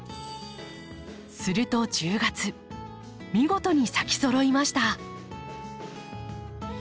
すると１０月見事に咲きそろいました。